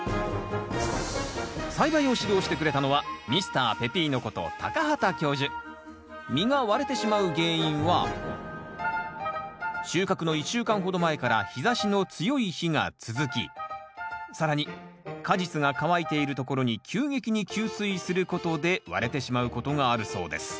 栽培を指導してくれたのは実が割れてしまう原因は収穫の１週間ほど前から日ざしの強い日が続き更に果実が乾いているところに急激に吸水することで割れてしまうことがあるそうです。